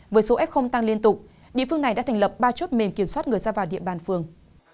với số f tăng liên tục địa phương này đã thành lập ba chốt mềm kiểm soát người ra vào địa bàn phường